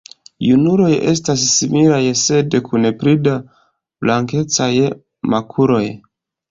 Junuloj estas similaj sed kun pli da blankecaj makuloj.